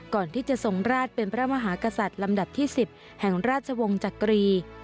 ก่อนที่จะทรงราชเป็นพระมหากษัตริย์ลำดับที่๑๐แห่งราชวงศ์จักรี